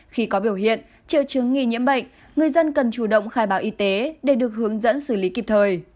khi có biểu hiện triệu chứng nghi nhiễm bệnh người dân cần chủ động khai báo y tế để được hướng dẫn xử lý kịp thời